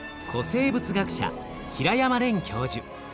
生物学者平山廉教授。